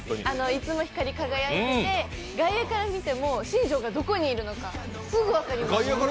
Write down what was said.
いつも光り輝いてて、外野から見ても新庄がどこにいるのか、すぐ分かります。